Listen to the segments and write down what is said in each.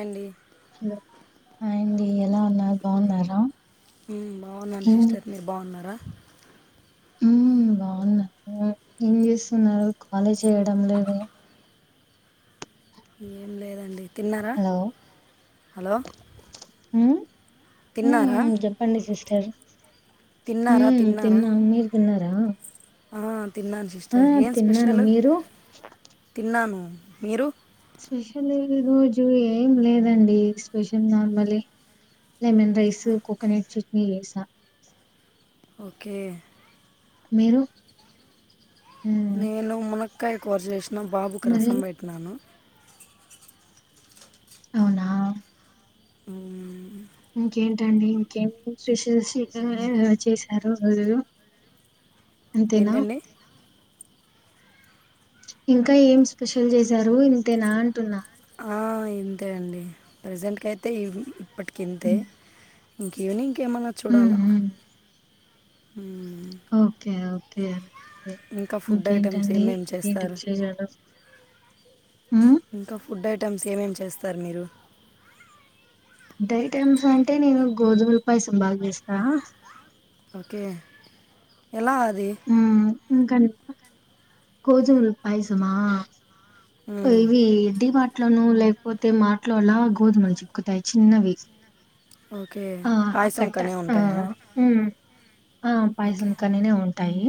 అండి హలో అండి ఎలా ఉన్నారు బాగున్నారు ఆ హ్మ్ బావున్నాను సిస్టర్ మీరు బావున్నారా. హుమ్ బావునా ఏం చేస్తున్నారు. కాలే చేయడం లేదే ఏంలేదండి. హలో హ్మ్ మ్ తిన్నారా మ్ చెప్పండి సిస్టర్ తిన్నారా మ్మ్ తిన్నారా తిన్నాం మీరు తిన్నా [unintelligible] ఆ తిన్నాను సిస్టర్ ఏం స్పెషల్ మీరు తిన్నాను. మీరు స్పెషల్ [inaudible] రోజు ఏంలేదండి. స్పెషల్ నార్మలే లెమన్ రైస్ కోకోనట్ చట్నీ చేసా. ఒకే మీరూ నేను మనక్ క్కాయ్ కూర జేష్ నా బాబుకి మరి రసం పెట్టినాను అవునా ఉమ్ ఇంకేంటండి ఇంకేం స్పెషల్స్ [inaudible] చేశారూ ఊ ఏంటండీ ఇంకా ఏం స్పెషల్ చేశారు. ఇంతేనా అంటున్నా. ఆ ఇంతేనండి ప్రెజెంట్కయితే ఇది ఇప్పటి కింతే హ్మ్. ఇంకీవెనింగ్ కేమన్నా హ్మ్. చూడాలా హ్మ్. ఉమ్ ఓకే ఓ తే ఇంకా ఫుడ్ ఐటమ్స్ ఇంకేంటండి ఏమేమి ఏంటి చేస్తారు విశేషాలు మ్మ్ ఇంకా ఫుడ్ ఐటమ్స్ ఏమేమి చేస్తారు మీరు డైటమ్స్ అంటే నేను గోధుమల పాయసం బా చేస్తా. ఓకే ఎలా అది గోధుముల పయసమా మ్మ్. ఇవి ఇంటికి పాట్ ట్లోనూ లేకపోతే మాట్లోనా గోధుమలు చేక్కుతాయి చిన్నవి. ఓకే ఆ! పాయసం కట్ట కనే ఆ! ఉంటాయా హ్మ్. ఆ ఓకే పాయసం కనీనే ఉం టాయి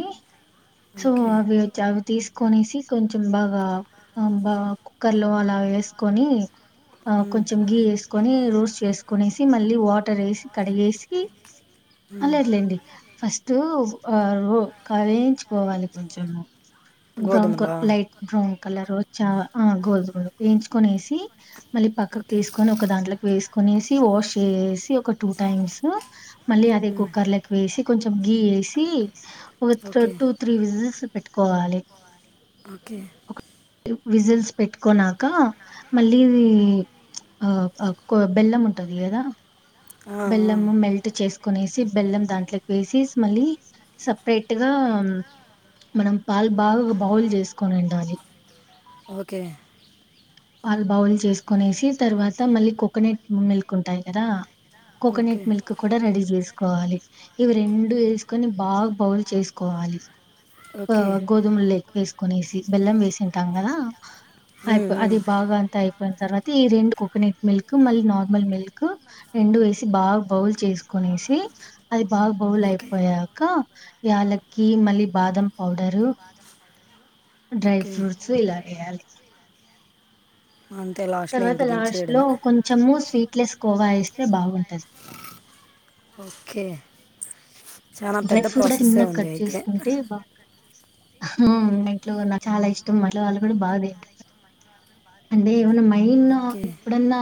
సో ఓకే అవి వచి అవి తీస్ కొనేసి కొంచెం బాగా అం బాకు కుక్కర్ లో అలా ఏసుకొని ఆ మ్మ్. కొంచెం గీ ఏసుకొని రోస్ చేస్ కొనేసి మళ్ళీ వాటర్ ఏసీ కడిగేసి మ్మ్. లేదులేండి ఫస్ట్ వ రో కవేజ్ మళ్లీ కొంచము బ్రౌన్ క గోధుమలా ఆ, లైట్ బ్రౌన్ కలరు వచ్చా ఆ గోధుమలు వెంచుకునేసి మళ్ళీ పక్కకు ఓకే తీసుకొని ఒక దాంట్లకి వేస్ కొనేసి వాష్ చేసేసి ఒక టు టైమ్స్ మళ్ళీ అదే మ్మ్. కుక్కర్లేకి వేసి కొంచెం గీ ఏసి ఓకే వొత్తిడో బిజినెస్ పెట్టుకోవాలి ఓకే విజిల్స్ పెట్టుకున్నాక మళ్ళీ ఇది మ్చ్ ఆ కొ బెల్లం ఉంటుంది కదా ఆ, ఆ. బెల్లము మెల్ట్ చేసుకొనేసి బెల్లం దాంట్లోకి వేసిస్ మళ్ళీ సపరేట్గా మనం పాలు బాగా బౌల్ చేసుకొనిండాలి ఓకే పాల్ బౌల్ చేసుకునేసి తర్వాత మళ్ళీ కోకోనట్ మిల్క్ ఉంటాయి కదా ఓకే కోకోనట్ మిల్క్ కూడా రెడీ చేస్ కోవాలి ఇవి రెండు వేసుకొని బాగా బౌల్ చేసుకోవాలి ఓకే బావ గోధుమ లేక్ వేస్ కొనేసి బెల్లం వేసింటాం కదా ఉమ్, అయిపో అది ఉమ్. బాగా అంత అయి పోయిన తర్వాత ఈ రెండు కోకోనట్ మిల్క్ మళ్ళి నార్మల్ మిల్క్ రెండు వేసి బాగా బౌల్ చేసుకొనేసి అది బాగా బౌల్ అయిపోయాకా యాలకి మళ్ళీ బాదం పౌడరు డ్రై ఓకే ఫ్రూట్స్ ఇలా ఎయ్యాలి అంతే లాస్ట్లో తర్వాత ఇంకా లాస్ట్ లో దించేయడమే కొంచెము స్వీట్ లెస్ కోవా ఏస్ అంటే బాగుంటుంది ఓకే చాలా డ్రై పెద్ద ఫ్రూట్ కూడా ప్రాసెస్సే చిన్నగా ఉంది కట్ అయితే చేసుకుంటే బా హ్ ఇంట్లో నాకు చాలా ఇష్టం మా ఇంట్లో వాళ్ళు కూడా బాగా తింటారు అంటే [inaudible] మెయిన్ ఓకే ఎప్పుడన్నా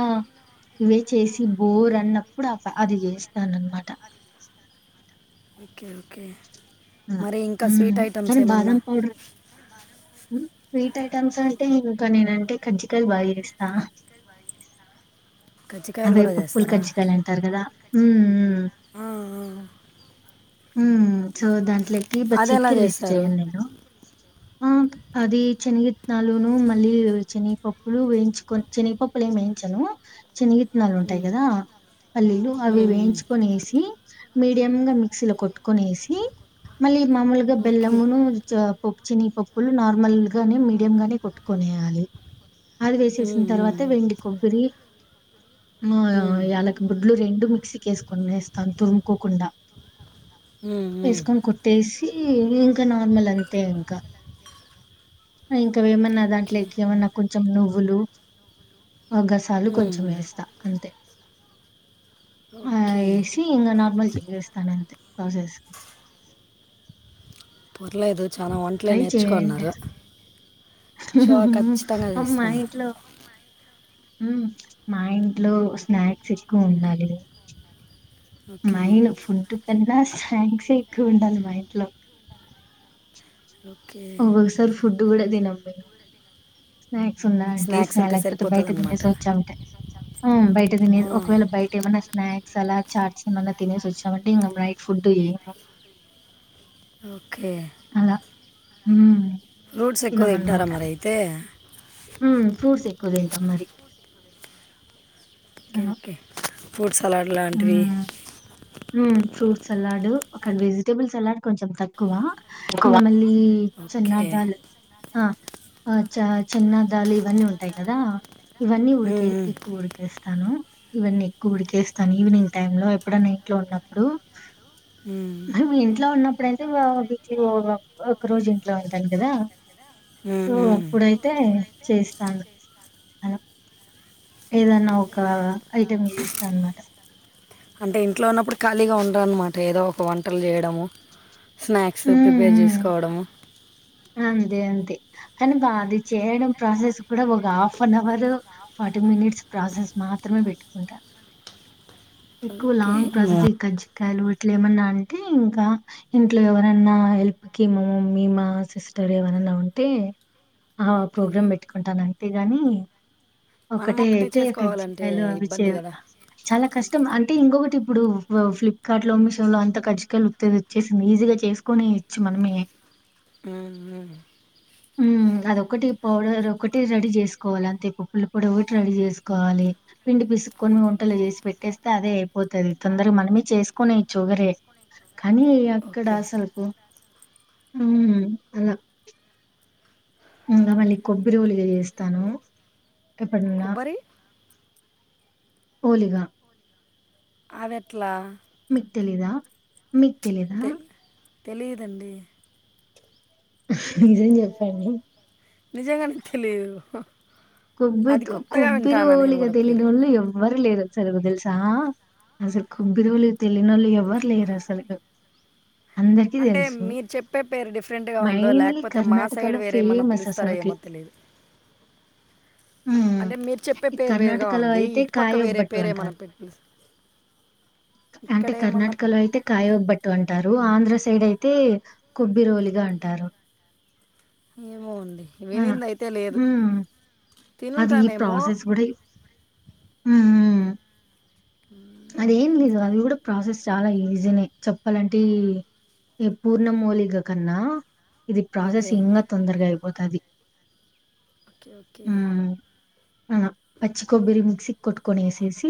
ఇవే చేసి బోర్ అన్నప్పుడు అ అది చేస్తాననమాట ఓకే ఓకే మరి ఇంకా స్వీట్ హ్మ్. ఐటమ్స్ కానీ ఏమన్నా బాదం పౌడర్ హ్మ్. స్వీట్ ఐటమ్స్ అంటే ఇంకా నేనంటే కజ్జికయ బా చేస్తా కజ్జికాయలు అవే కూడా పప్పులు చేస్తారా కజ్జికాయలు అంటారు కదా మ్ మ్ ఆ ఆ మ్ చో దాంట్లో కీ బ ఎలా చక్కర వేసి చేస్తారు చేయన్నేను ఆ అది చెనిగిత్తనాలూనూ మళ్ళీ శనిగిపప్పులు వేయించుకొని చెనిగిపప్పులు ఏమి వేయించను చెనిగిత్తనాలు ఉంటాయి కదా పల్లీలు అవి వేయించుకొనేసి మీడియంగా మిక్సీలో కొట్టు కొనేసి మళ్ళీ మామూలుగా ఓకే బెల్లమూ నూ పప్పు చెనిగిపప్పులు నార్మల్గానే మీడియామ్ గానే కొట్టుకునేయాలి అది వేసేసిన తర్వాత వెండి కొబ్బరి యాలకులు రెండు మిక్సీకేసుకొని వేస్తాను తురుముకోకుండా వేసుకొని కొట్టేసి ఇంకా నార్మల్ అంతే ఇంకా ఇంకా వేమ ఓకే దాంట్లోకి ఏమన్నా కొం చెం నువ్వులు ఒక గసాలు కొంచెం వేస్తా అంతే ఆ ఓకే ఏసీ ఇంగ నా మంచిగ వేస్తానంతే ప్రాసెస్ పర్లేదు చాలా వంటలే నేర్చుకోవున్నారు అం మా ఇంట్లో మ్ మా ఇంట్లో స్నాక్స్ ఎక్కువుండాలి ఓకే మెయిన్ ఫుడ్ కన్నా స్నాక్సే ఎక్కువుండాలి మా ఇంట్లో ఓకే ఒకొక్క సారి ఫుడ్ కూడా తినం స్నాక్ సుందా అంటే స్నాక్స్ ఉంటే లేకపోతే బయట సరిపోతుంది అనమాట తినేసొచ్చామంటే ఆ బై ట తినేది ఒకవేళ బయటేమైనా స్నాక్స్ అలా చాట్స్ ఏమన్నా తినేసొచ్చామంటే ఇంకా నైట్ ఫుడ్ ఏము ఓక్ కే హ్మ్ ఫ్రూట్స్ ఎక్కువ తింటారా తినమనమాట. మరి అయితే హ్మ్ ఫ్రూట్స్ ఎ కు తింటాం మరి ఓకే ఆ! ఓకే ఫుడ్స్ సలాడ్ లాంటివి ఫ్రూట్స్ సల్లాడ్ ఒక వెజిటబుల్ సల్లాడ్ కొంచెం తక్కువ ఇంకా మళ్ళీ ఓకే చనదాల్ ఆ ఆ చ చిన్నదాలు ఇవన్నీ ఉంటాయి కదా ఇవన్నీ ఉడికే మ్మ్. ఎక్కువ ఉడికేస్తాను ఇవన్నీ ఎక్కువ ఉడికేస్తా తాను ఈవినింగ్ టైమ్ లో ఎప్పుడై నా ఇంట్లో ఉన్నప్పుడు ఉమ్, మేము ఇంట్లో ఉన్నప్పుడుయితే వీటిలో ఒక రోజు ఇంట్లో ఉంటాను కదా ఉమ్, సో ఉమ్. అప్పుడైతే చేస్తాను అలా ఏదన్నా ఒక ఐటెమ్ చేస్తా అన్నమాట అంటే ఇంట్లో ఉన్నప్పుడు ఖాళీగా ఉండదున్నమాట ఏదో ఒక వంటలు చేయడము స్నాక్స్ హ్మ్. ప్రిపేర్ హ్మ్. చేసుకు కోడము అంతే అంతే కానీ బ అది చేయడం ప్రాసెస్ కూడా ఒక half an hour forty minutes process మాత్రమే పెట్టుకుంటా ఎకువ ఓకే లాంగ్ ప్రాసెస్ ఉమ్, ఇ అజు కాలు ఇట్ల ఏమన్నా అంటే ఇంకా ఇంట్లో ఎవరన్నా హెల్ప్ కి మా మమ్మి మా సిస్టర్ ఎవరైన్నా ఉంటే ఆ ఓకే ప్రోగ్రామ్ పెట్టుకుంటాను అంతే గాని మనం ఒకటే ఒక్కటే అయితే చేసుకోవాలంటే క్జికయలు అవి చే ఇబ్బంది కదా చాలా కష్టం అంటే ఇంకొకటి ఇప్పుడు ఫ్లిప్కార్ట్ లో అమిషోలో అంత కకది వచ్చేసింది ఈజీగా చేసుకుని ఇచ్చు మనమే ఉమ్, ఉమ్. అదిొటి పౌడర్ ఒకటి రెడీ చేసుకోవాలి అే ఇప్పుడు ఒకటి రెడీ చేసుకోవాలి పిండి పిసుకొని వంటలు చేసి పెట్టేస్తే అదే అయిపోతుది తొందర మనమే చేసుకునే ఇచ్చుగరే కానీ ఇక్కడ ఓకే అసలుకు హ్మ్ అలాా ఇంకా మళ్ళీ కొబ్బరిోలిగా చేస్తాను ఎక్కడున్న కొబ్బరి ఓలిగ అవి ఎట్లా మీక్ తెలీదా మీక్ తెలీదా తెలీయదండి నిజం జెప్పండి నిజంగానే తెలీదు కొబ్బితు కొబ్బిరి నేను ఓలిగ కూడా పేరు తెలీనోళ్ళ ఎవ్వరులేరు అసలుగు తెల్సా అసలు కొబ్బరి ఓలిగ తెలీనోళ్లు ఎవ్వరు లేరు అసలుకు అంటే మీరు చెప్పే పేరు డిఫరెంట్గా ఉందో మైన్లీ లేకపోతే మా సైడ్ కర్ణాటకలో వేరే ఏమన్నా ఫేమస్ పిలుస్తారో అసలకి. ఏమో తెలీదు ఉమ్ ఈ పేరు వేరుగా కర్ణాటకలో ఉంది అయితే ఇటుపక్క వేరే కాయఉబ్బట్టు పేరు ఏమన్నా అంటారు పెట్టి పిలుస్త- ఇక్కడ అంటే ఏమన్నా కర్ణాటకలో అయితే కాయఉబ్బట్టు అంటారు ఆంధ్ర సై సైడ్ అయితే కొబ్బిరి ఓలిగా అంటారు ఏమో అండి వినింది అయితే లేదు. అదీ తినుంటానేమో ప్రాసెస్ గూడా ఊ ఊ ఉ అదేం లేదు అది గూడ ప్రాసెస్ చాలా ఈజీనే చెప్పాలంటే ఈ ఈ పూర్ణం ఓలిగ కన్నా ఇది ప్రాసెస్ ఓకే ఇంగా తొందరగా అయిపోతాది. ఒక్కే ఓ కే ఆహా పచ్చి కొబ్బిరి మిక్సీ కి కొట్టుకొని ఏసేసి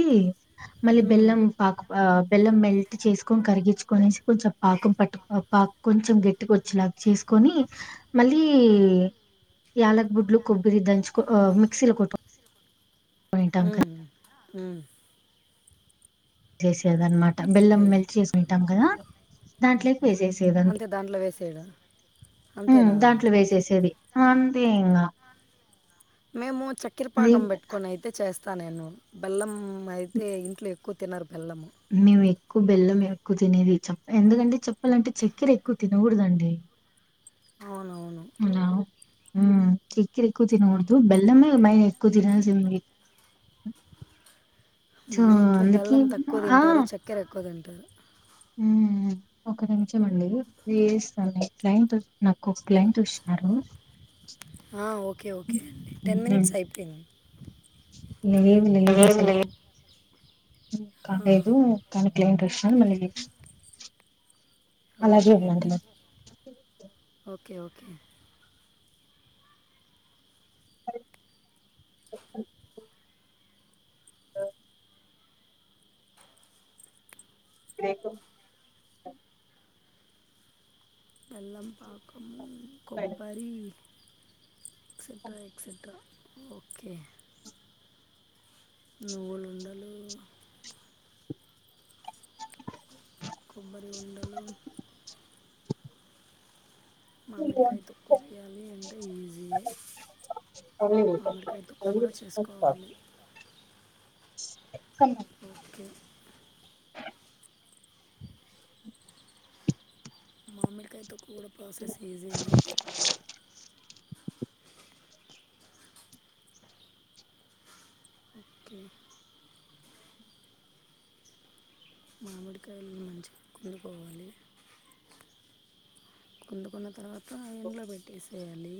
మళ్ళి ఉమ్, బెల్లం పాకు ఆ బెల్లం మెల్ట్ చేసుకొని కరిగిచ్చుకొనేసి కొంచం పాకం పట్టుకో పాక్ కొంచం గేట్టిగొచ్చేలాగ చేస్ కొనీ మళ్ళీ యాలక్ బుడ్లు కొబ్బిరి దంచ్ కొ ఓ మిక్సీలో కొట్ ఆ ఆ జస్ లేదన్మాట బెల్లం ఓకే మెల్ట్ చేసుకుంటాం కదా దాంట్లో క్ వేసేసేదంటి అంతే దాంట్లో వేసేయడం అంతేనా అంతే ఇంగ మేము చక్కెర అది పాకం పెట్టుకొని అయితే చేస్ స్తా నేను బెల్లం అయితే ఇంట్లో ఎక్కువ తినరు బెల్లము అన్నీ వెయ్ ఎక్కువ బెల్లం ఎక్కువ తినేది చెప్ప ఎందుకంటే చెప్పాలంటే చక్కెర ఎక్కువ తినకూడదండి. అవునవును హ్మ్ చక్కెర ఎక్కువ తినకూడదు. బెల్లమేమ్మాయ్ ఎక్కువ తినాల్సింది సో మా ఇంట్లో అందుకే బెల్లం తక్కువ తింటారు. చక్కెర ఎక్కువ తిం ట హ్మ్ ఒక నిమిషం అండి వేస్తాను క్లయింట్ వస్ నాకు ఒక క్లయింట్ వస్తున్నారు. ఆ ఓ ఓకే ఓకే అండి టెన్ ఉమ్, మినిట్స్ అయిపోయింది. లేదు లేదు అసలుకు ఆ, కాలేదు కాని ఇ ఇంట్రెస్ట్ మళ్ళీ నెక్స్ట్ ఓకే అండి ఓకే ఓకే ఓకే ఆ ఎకు బెల్లం పాకము కొబ్బారి ఎక్సెట్రా ఎక్సెట్రా ఓకే నువ్వులుండలు కొబ్బరి ఉండలు మామిడికాయ తక్కువ చేయాలి అంటే ఈజీయే మామిడికాయ తొక్కు కూడా చేసుకోవాలి కన్ ఓకే మామికా తొక్క కూడా ప్రాసెస్ ఈజీని ఓకే మామిడికాయలను మంచిగా కుందుకోవాలి కుందుకున్న తర్వాత ఎండ్లో పెట్టేసేయాలి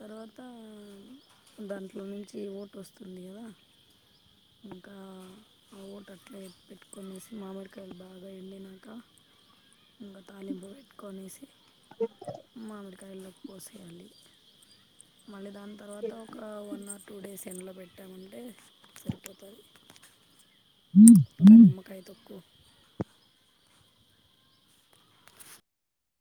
తర్వాత దాంట్లో నుంచి ఓటు వస్తుంది కదా ఇంకా ఆ ఓటు అట్లా పెట్టుకోనేసి మామిడికాయలు బాగా ఎండినక ఇంకా తాలింపు పెట్ట కొనేసి మామిడి కయాలోకి పోసేయాలి మల్ల దాంట్లో తర్వాత ఒక వన్ అర్ టూ డేస్ ఎండలో పెట్టామంటే సరిపోతది ఇంకా నిమ్మకాయ తొక్కు